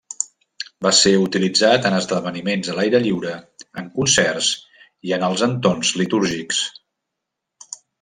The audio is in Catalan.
Va ser utilitzat en esdeveniments a l'aire lliure, en concerts i en els entorns litúrgics.